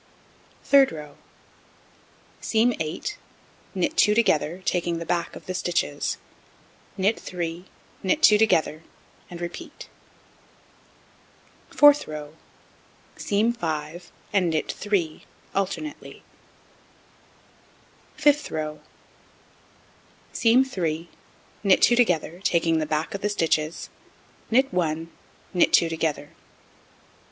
Third row: Seam 8, knit 2 together, taking the back of the stitches, knit 3, knit 2 together, and repeat. Fourth row: Seam 5, and knit 3, alternately. Fifth row: Seam 3, knit 2 together, taking the back of the stitches, knit 1, knit 2 together.